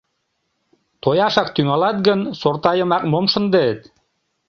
Тояшак тӱҥалат гын, сорта йымак мом шындет?